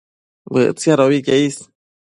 Bëtsiadobi que is